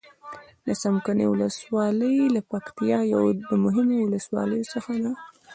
د څمکنيو ولسوالي د پکتيا يو د مهمو ولسواليو څخه ده.